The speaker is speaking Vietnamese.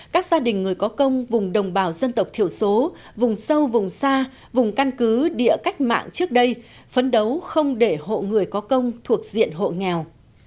các gia đình người có công vùng đồng bào dân tộc thiểu số vùng sâu vùng xa vùng căn cứ địa cách mạng trước đây phấn đấu không để hộ người có công thuộc diện hộ nghèo